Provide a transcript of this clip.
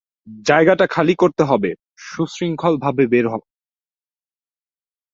জায়গাটা খালি করতে হবে, সুশৃঙ্খলভাবে বেরোও।